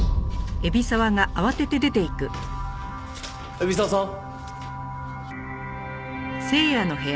海老沢さん？